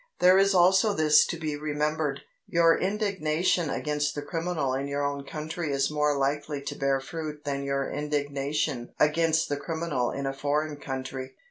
There is also this to be remembered: your indignation against the criminal in your own country is more likely to bear fruit than your indignation against the criminal in a foreign country.